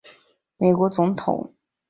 美国总统甘乃迪亦曾患此病。